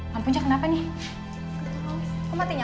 selanjutnya kita sampai ketemu lagi